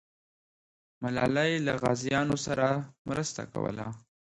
ملالۍ له غازیانو سره مرسته کوله.